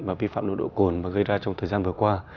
và vi phạm nội độ cồn mà gây ra trong thời gian vừa qua